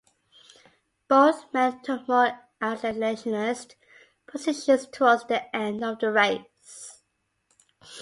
Both men took more isolationist positions towards the end of the race.